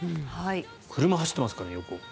車走ってますからね、横。